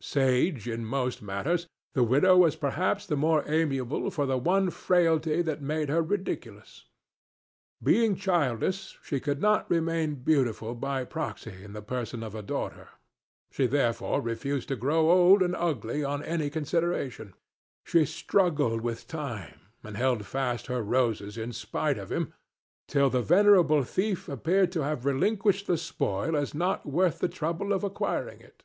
Sage in most matters, the widow was perhaps the more amiable for the one frailty that made her ridiculous. Being childless, she could not remain beautiful by proxy in the person of a daughter; she therefore refused to grow old and ugly on any consideration; she struggled with Time, and held fast her roses in spite of him, till the venerable thief appeared to have relinquished the spoil as not worth the trouble of acquiring it.